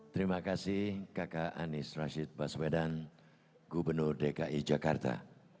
terima kasih kakak anies rashid baswedan gubernur dki jakarta